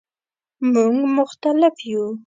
مونږ مختلف یو